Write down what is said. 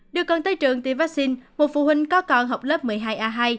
được con tới trường tiêm vaccine một phụ huynh có con học lớp một mươi hai a hai